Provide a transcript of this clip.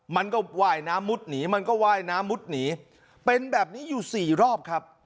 มันก็ว่ายน้ำมุดหนีมันก็ว่ายน้ำมุดหนีเป็นแบบนี้อยู่สี่รอบครับ